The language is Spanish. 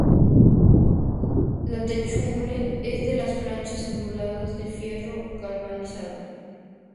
La techumbre es de planchas onduladas de fierro galvanizado.